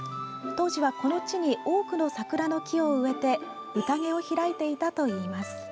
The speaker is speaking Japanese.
当時は、この地に多くの桜の木を植えてうたげを開いていたといいます。